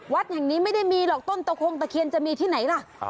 วัดแห่งนี้ไม่ได้มีหรอกต้นตะโคงตะเคียนจะมีที่ไหนล่ะ